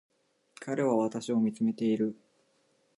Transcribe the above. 彼は私を見つめている